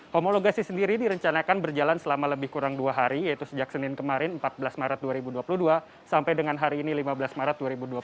homologasi sendiri direncanakan berjalan selama lebih kurang dua hari yaitu sejak senin kemarin empat belas maret dua ribu dua puluh dua sampai dengan hari ini lima belas maret dua ribu dua puluh